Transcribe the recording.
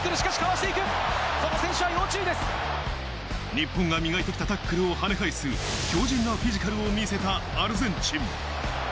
日本が磨いてきたタックルを跳ね返す、強靭なフィジカルを見せたアルゼンチン。